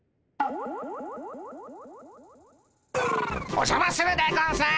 おじゃまするでゴンス。